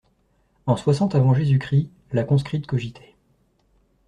En soixante avant Jésus-Christ, la conscrite cogitait.